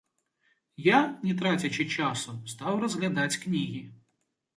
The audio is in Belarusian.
Я, не трацячы часу, стаў разглядаць кнігі.